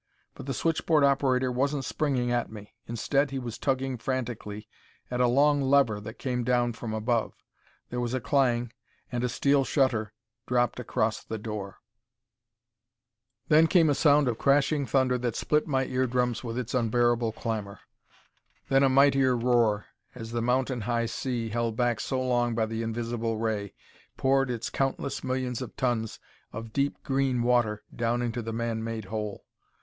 But the switchboard operator wasn't springing at me. Instead, he was tugging frantically, at a long lever that came down from above. There was a clang, and a steel shutter dropped across the door. Then came a sound of crashing thunder that split my eardrums with its unbearable clamor. Then a mightier roar, as the mountain high sea, held back so long by the invisible ray, poured its countless millions of tons of deep green water down into the man made hole.